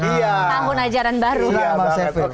tanggung ajaran baru